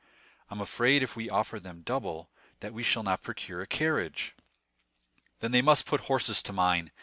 "I am afraid if we offer them double that we shall not procure a carriage." "Then they must put horses to mine.